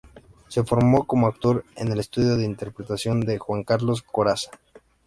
Se formó como actor en el Estudio de Interpretación de Juan Carlos Corazza.